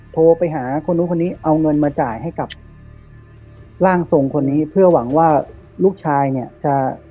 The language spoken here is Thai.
โทรไปหาคนนู้นคนนี้เอาเงินมาจ่ายให้กับร่างทรงคนนี้เพื่อหวังว่าลูกชายเนี่ยจะ